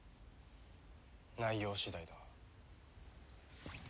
内容次第だ。